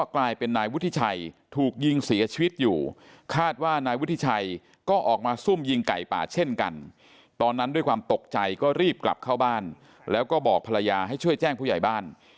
ก็บอกภรรยาให้ช่วยแจ้งผู้ใหญ่บ้าน